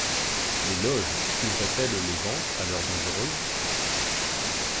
Les Loges suivraient-elles les Ventes à l'heure dangereuse?